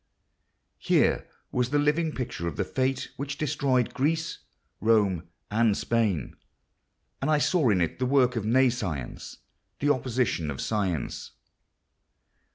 Here was the living picture of the fate which destroyed Greece, Rome, and Spain; and I saw in it the work of nescience—the opposite of science.